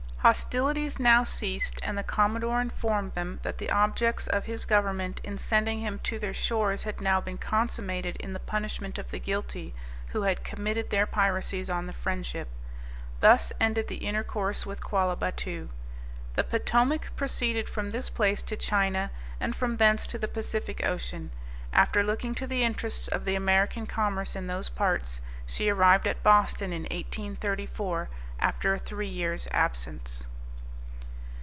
Hostilities now ceased, and the Commodore informed them that the objects of his government in sending him to their shores had now been consummated in the punishment of the guilty, who had committed their piracies on the Friendship. Thus ended the intercourse with Quallah Battoo. The Potomac proceeded from this place to China, and from thence to the Pacific Ocean; after looking to the interests of the American commerce in those parts she arrived at Boston in 1834, after a three years' absence.